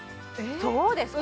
そうです